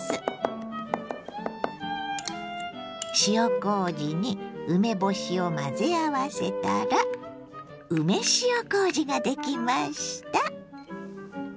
塩こうじに梅干しを混ぜ合わせたら梅塩こうじができました。